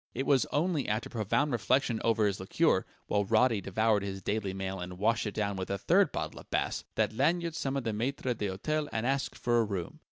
It was only after profound reflection over his liqueur (while Roddy devoured his Daily Mail and washed it down with a third bottle of Bass) that Lanyard summoned the maitre d'hôtel and asked for a room.